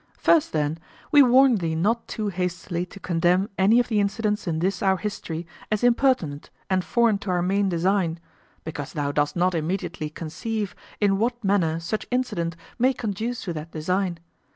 First, then, we warn thee not too hastily to condemn any of the incidents in this our history as impertinent and foreign to our main design, because thou dost not immediately conceive in what manner such incident may conduce to that design.